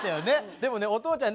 でもねお父ちゃん